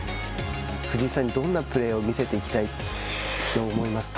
藤井さんにどんなプレーを見せていきたいと思いますか。